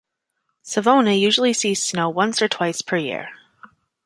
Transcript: Savona usually sees snow once or twice per year.